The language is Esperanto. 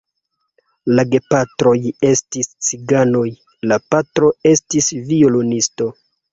La gepatroj estis ciganoj, la patro estis violonisto.